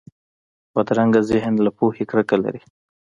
بدرنګه ذهن له پوهې کرکه لري